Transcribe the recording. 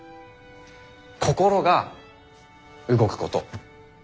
心が動くこと。